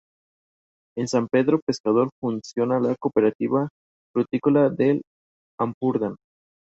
Tiene en su centro un patio-jardín.